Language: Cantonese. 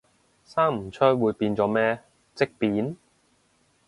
生唔出會變咗咩，積便？